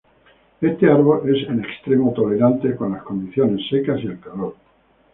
Este árbol es en extremo tolerante con las condiciones secas y el calor.